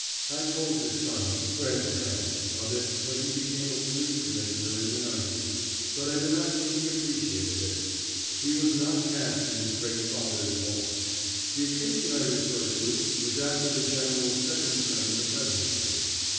I told his son, Fred Grant, of it when he became a Police Commissioner in the nineties, but I do not think he appreciated it. He was not cast in his great father's mould. The occasion I refer to was after the General's second term in the Presidency.